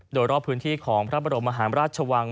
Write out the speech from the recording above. โดยรอบพื้นที่ของพระบรมมหาราชวัง